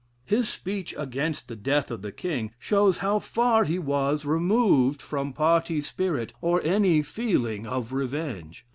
His speech against the death of the King, shows how far he was removed from party spirit or any feeling of revenge.